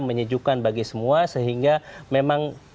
menyejukkan bagi semua sehingga memang